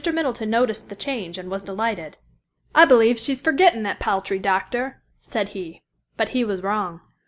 Middleton noticed the change and was delighted. "I b'lieve she's forgettin' that paltry doctor," said he, but he was wrong.